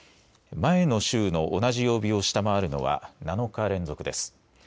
前の週の同じ曜日を下回るのは、７日連続です。